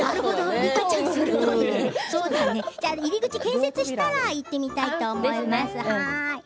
入り口建設したら行ってみたいと思います。